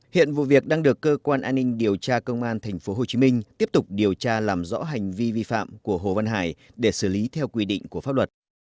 hiện vụ việc đang được cơ quan an ninh điều tra công an tp hcm tiếp tục điều tra làm rõ hành vi vi phạm của hồ văn hải để xử lý theo quy định của pháp luật